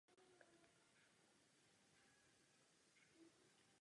Snaží se sestavit i družstvo žen.